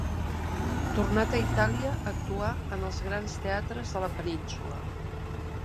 Tornat a Itàlia, actuà en els grans teatres de la península.